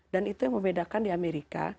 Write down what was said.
dan itu yang membedakan di amerika